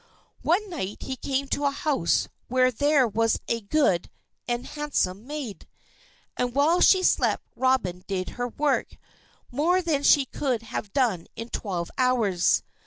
One night he came to a house where there was a good and handsome maid. And while she slept Robin did her work, more than she could have done in twelve hours.